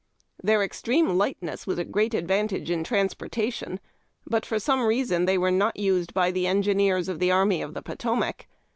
Their extreme lightness was a great advantage m transpor tation, but for some reason they were not used by the engi neers of the Army of the Potomac.